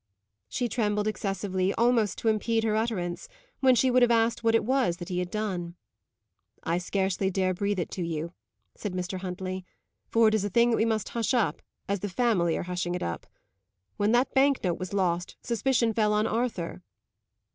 She trembled excessively, almost to impede her utterance, when she would have asked what it was that he had done. "I scarcely dare breathe it to you," said Mr. Huntley, "for it is a thing that we must hush up, as the family are hushing it up. When that bank note was lost, suspicion fell on Arthur."